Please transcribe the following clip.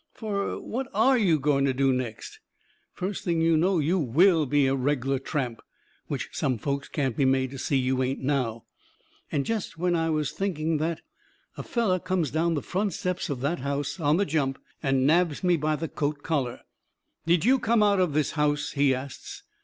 Fur what ARE you going to do next? First thing you know, you WILL be a reg'lar tramp, which some folks can't be made to see you ain't now." And jest when I was thinking that, a feller comes down the front steps of that house on the jump and nabs me by the coat collar. "Did you come out of this house?" he asts.